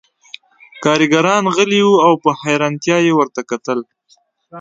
کارګران غلي وو او په حیرانتیا یې ورته کتل